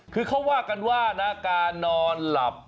คือเขาว่ากันว่านะการนอนหลับ